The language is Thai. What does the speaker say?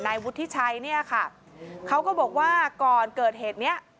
วุฒิชัยเนี่ยค่ะเขาก็บอกว่าก่อนเกิดเหตุเนี้ย